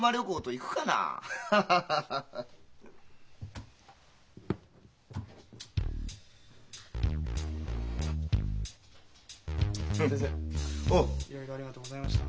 いろいろありがとうございました。